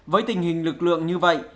với tình hình lực lượng như vậy